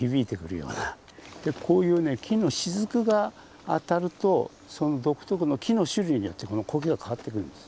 こういうね木の滴が当たるとその独特の木の種類によってこの苔が変わってくるんです。